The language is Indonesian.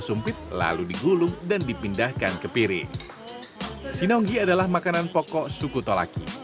sempit lalu digulung dan dipindahkan ke piring sinonggi adalah makanan pokok suku tolaki